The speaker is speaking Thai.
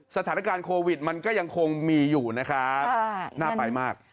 สถานการณ์โควิดมันก็ยังคงมีอยู่นะครับน่าไปมาก